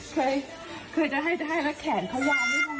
แค่ก็จะให้แล้วแขนเขายาวไม่เยอะนะ